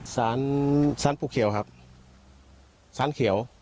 สารสารปูเขียวครับสารเขียว